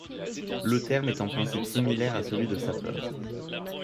Le terme est en principe similaire à celui de sapeur.